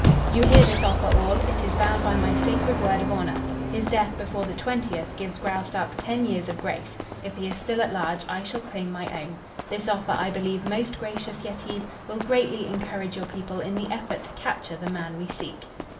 You hear this offer, all? It is bound by my sacred word of honor. His death before the twentieth gives Graustark ten years of grace. If he is still at large, I shall claim my own. This offer, I believe, most gracious Yetive, will greatly encourage your people in the effort to capture the man we seek."